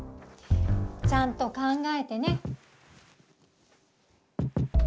ちゃんと考えてね。